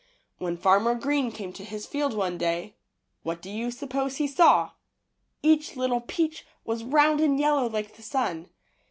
When Farmer Green came to his field one day, what do you suppose he saw? Each little peach was round and yellow like the sun.